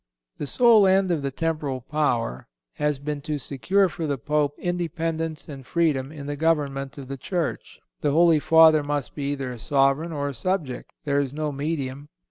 (186) The sole end of the temporal power has been to secure for the Pope independence and freedom in the government of the Church. The Holy Father must be either a sovereign or a subject. There is no medium.